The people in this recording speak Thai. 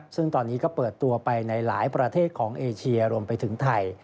ซึ่งตอนนี้ก็เปิดตัวไปในหลายประเทศของเอเชียรวมไปถึงไทย